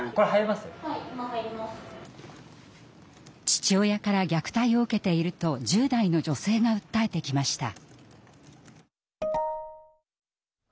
父親から虐待を受けていると１０代の女性が訴えてきました。